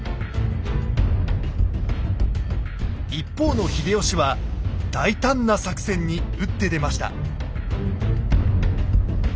一方の秀吉は大胆な作戦に打って出ました。